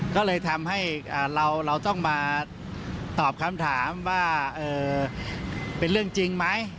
ก็เลยทำให้เราต้องมาตอบคำถามว่าเป็นเรื่องจริงไหม